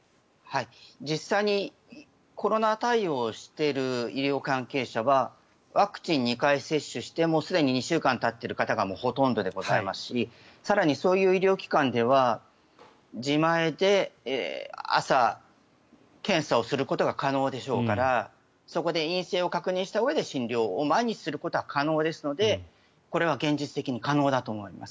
実際にコロナ対応をしている医療関係者はワクチン２回接種してすでに２週間たっている人がほとんどでございますし更にそういう医療機関では自前で朝、検査をすることが可能でしょうからそこで陰性を確認したうえで診療を毎日することは可能ですのでこれは現実的に可能だと思います。